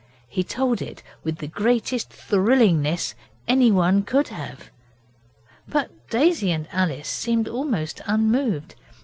He told it with the greatest thrillingness anyone could have, but Daisy and Alice seemed almost unmoved.